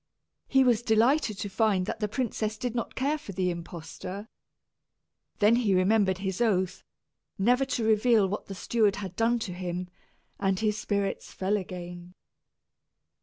He was delighted to find that the princess did not care for the impostor. Then he remembered his oath, never to reveal what the steward had done to him, and his spirits fell again.